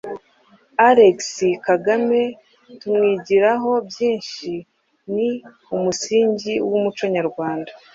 Alexis Kagame tumwigirahobyishi ni umusingi w’umuco nyarwanda.